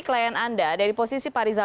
klien anda dari posisi pak rizal